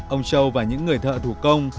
ông châu và những người thợ thủ công